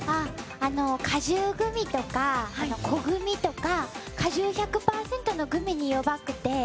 果汁グミとかコグミとか果汁１００％のグミに弱くて。